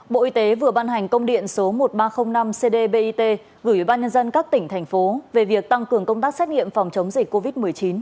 bộ y tế vừa ban hành công điện số một nghìn ba trăm linh năm cdbit gửi ubnd các tỉnh thành phố về việc tăng cường công tác xét nghiệm phòng chống dịch covid một mươi chín